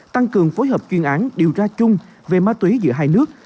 tăng cường phối hợp chuyên án điều tra chung về ma túy giữa hai nước